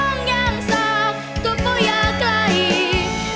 มองอย่างสากก็ไม่อยากไหล